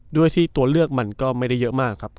ด้วยที่ตัวเลือกมันก็ไม่ได้เยอะมากครับ